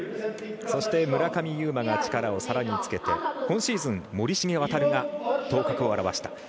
そして、村上右磨が力をさらにつけて今シーズン、森重航が頭角を現した。